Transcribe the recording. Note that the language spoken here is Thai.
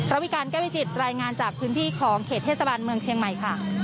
วิการแก้วิจิตรายงานจากพื้นที่ของเขตเทศบาลเมืองเชียงใหม่ค่ะ